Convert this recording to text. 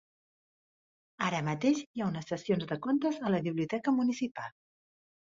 Ara mateix hi ha unes sessions de contes a la biblioteca municipal.